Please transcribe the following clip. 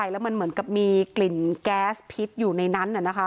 แล้วมันเหมือนกับมีกลิ่นแก๊สพิษอยู่ในนั้น